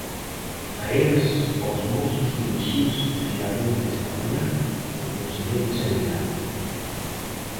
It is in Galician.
A eles, aos mozos dirixiuse especialmente esta mañá o conselleiro de Sanidade.